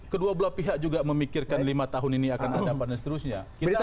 kedua belah pihak juga memikirkan lima tahun ini akan ada apa dan seterusnya